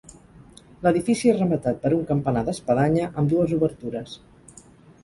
L'edifici és rematat per un campanar d'espadanya amb dues obertures.